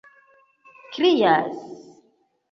krias